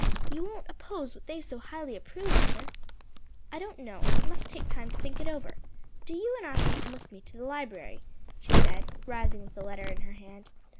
You won't oppose what they so highly approve, mother?" "I don't know; must take time to think it over. Do you and Arthur come with me to the library," she said, rising with the letter in her hand.